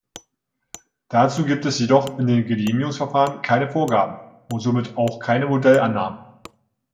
Dazu gibt es jedoch in den Genehmigungsverfahren keine Vorgaben und somit auch keine Modellannahmen.